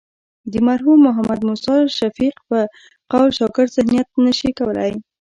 د مرحوم محمد موسی شفیق په قول شاګرد ذهنیت نه شي کولی.